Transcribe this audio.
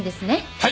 はい。